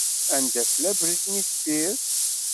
Anda tella Britney Spears?